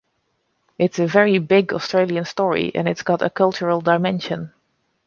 It's a very big Australian story and it's got a cultural dimension.